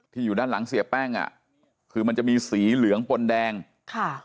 อยู่ด้านหลังเสียแป้งอ่ะคือมันจะมีสีเหลืองปนแดงค่ะ